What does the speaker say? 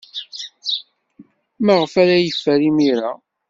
Maɣef ara yeffeɣ imir-a?